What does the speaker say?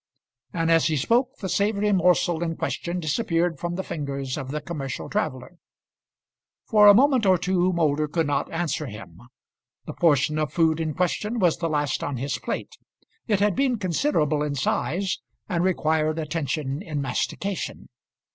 And as he spoke the savoury morsel in question disappeared from the fingers of the commercial traveller. For a moment or two Moulder could not answer him. The portion of food in question was the last on his plate; it had been considerable in size, and required attention in mastication.